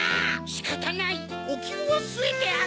しかたないおきゅうをすえてあげましょう。